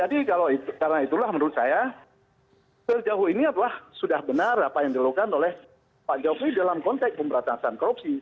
jadi karena itulah menurut saya sejauh ini sudah benar apa yang dilakukan oleh pak jokowi dalam konteks pemberantasan korupsi